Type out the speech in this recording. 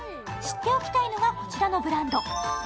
知っておきたいのが、こちらのブランド。